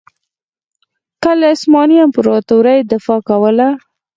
که له عثماني امپراطورۍ دفاع کوله.